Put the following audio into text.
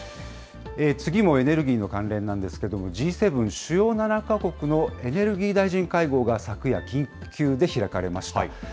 次もエネルギーの関連なんですけれども、Ｇ７・主要７か国のエネルギー大臣会合が昨夜、緊急で開かれました。